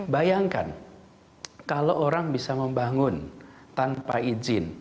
bayangkan kalau orang bisa membangun tanpa izin